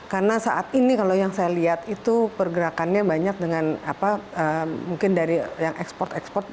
karena saat ini kalau yang saya lihat itu pergerakannya banyak dengan apa mungkin dari yang ekspor ekspor